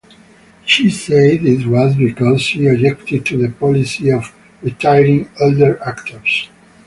She said this was because she objected to the policy of retiring elder actors.